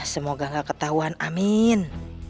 semoga gak ketauan amin